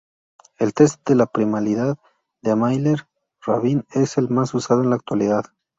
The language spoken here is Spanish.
El test de primalidad de Miller-Rabin es el más usado en la actualidad.